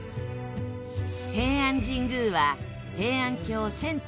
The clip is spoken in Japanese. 平安神宮は平安京遷都